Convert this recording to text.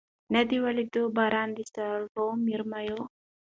نه دي ولیدی باران د سرو مرمیو